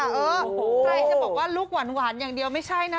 ใครจะบอกว่าลูกหวานอย่างเดียวไม่ใช่นะ